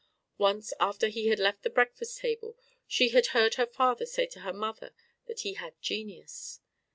Once after he had left the breakfast table, she had heard her father say to her mother that he had genius.